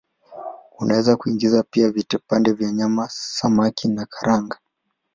Unaweza kuingiza pia vipande vya nyama, samaki na karanga.